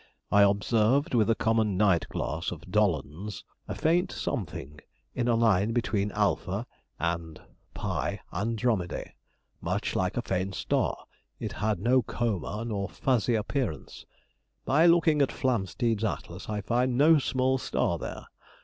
I observed with a common night glass of Dollond's a faint something in a line between α and π Andromedæ, much like a faint star; it had no coma nor fuzzy appearance. By looking at Flamsteed's Atlas I find no small star there.